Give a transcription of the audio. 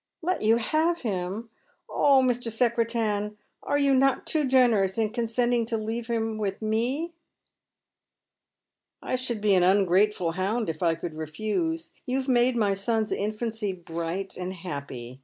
"" Let you have liim I Oh, Mr. Secretan, are you not too generous in consenting to leave him with me ?"" I should be an ungrateful hound if I could refuse. Yon have made ray son's infancy bright and happy.